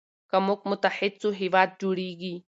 که موږ متحد سو هېواد جوړیږي.